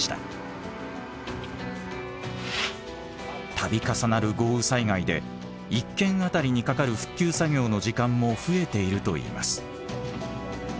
度重なる豪雨災害で１軒あたりにかかる復旧作業の時間も増えているといいます。